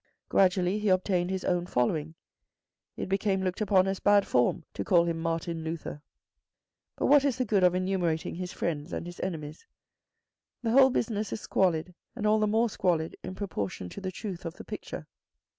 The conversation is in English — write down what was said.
Gradually he obtained his own following. It became looked upon as bad form to call him Martin Luther. But what is the good of enumerating his friends and his enemies? The whole business is squalid, and all the more squalid in proportion to the truth of the picture.